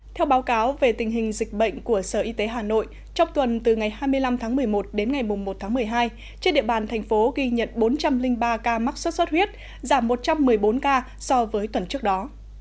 theo báo cáo về tình hình dịch bệnh của sở y tế hà nội trong tuần từ ngày hai mươi năm tháng một mươi một đến ngày một tháng một mươi hai trên địa bàn thành phố ghi nhận bốn trăm linh ba ca mắc sốt xuất huyết giảm một trăm một mươi bốn ca so với tuần trước đó